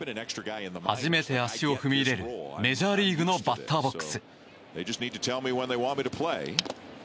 初めて足を踏み入れるメジャーリーグのバッターボックス。